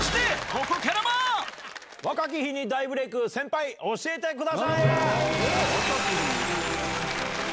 若き日に大ブレイク先輩教えてください！